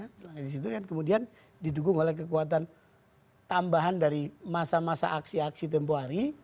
setelah di situ kan kemudian didukung oleh kekuatan tambahan dari masa masa aksi aksi tempoh hari